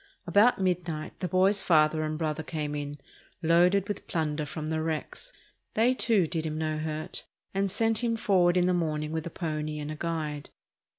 About midnight the boy's father and brother came in, loaded with plunder from the wrecks. They, too, did him no hurt and sent him forward in the morning with a pony and a guide.